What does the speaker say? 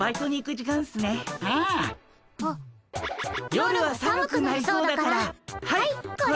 夜は寒くなりそうだからはいこれ。